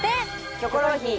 『キョコロヒー』